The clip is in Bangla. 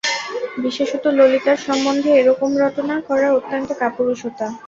বিশেষত ললিতার সম্বন্ধে এরকম রটনা করা অত্যন্ত কাপুরুষতা।